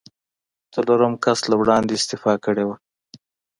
څلورم کس له وړاندې استعفا کړې وه.